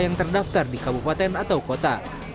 yang terdaftar di kabupaten atau kota